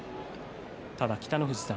ただ北の富士さん